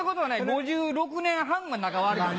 ５６年半が仲悪かった。